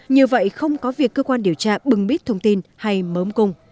như vậy không có việc cơ quan điều tra bừng bít thông tin hay mớm cung